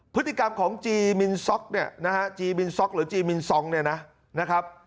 พฤติกรรมจีมินซ๊อกเท่านี้นะฮะกีมินซ็อคหรือกีมินซองทร์เนี่ยนะครับ